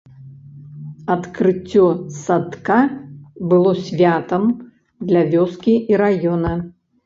Адкрыццё садка было святам для вёскі і раёна.